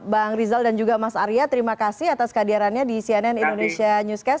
bang rizal dan juga mas arya terima kasih atas kehadirannya di cnn indonesia newscast